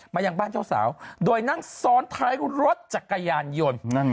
ยังบ้านเจ้าสาวโดยนั่งซ้อนท้ายรถจักรยานยนต์